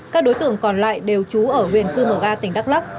các đối tượng còn lại đều trú ở huyện cư mờ ga tỉnh đắk lắc